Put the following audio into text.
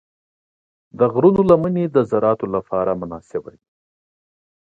د غرونو لمنې د زراعت لپاره مناسبې دي.